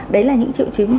đấy là những triệu chứng